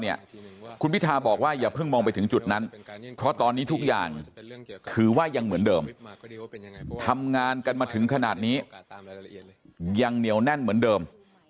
อย่างแนวแน่นเหมือนเดิม